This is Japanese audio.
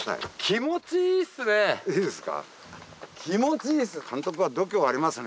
気持ちいいです。